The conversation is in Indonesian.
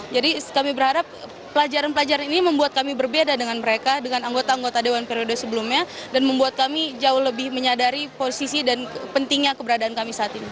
jadi kami berharap pelajaran pelajaran ini membuat kami berbeda dengan mereka dengan anggota anggota dewan periode sebelumnya dan membuat kami jauh lebih menyadari posisi dan pentingnya keberadaan kami saat ini